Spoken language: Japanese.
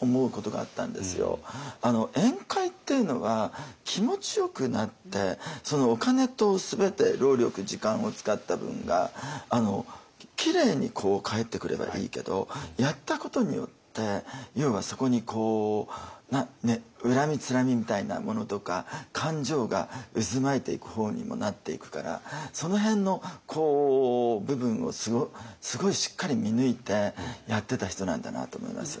宴会っていうのは気持ちよくなってお金と全て労力時間を使った分がきれいに返ってくればいいけどやったことによって要はそこに恨みつらみみたいなものとか感情が渦巻いていく方にもなっていくからその辺の部分をすごいしっかり見抜いてやってた人なんだなと思いますよね。